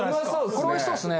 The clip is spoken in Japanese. これはおいしそうですね。